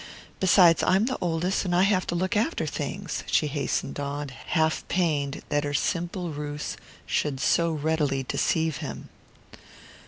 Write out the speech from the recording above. Besides, I'm the oldest; I have to look after things," she hastened on, half pained that her simple ruse should so readily deceive him.